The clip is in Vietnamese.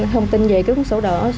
thông tin về cuốn sổ đỏ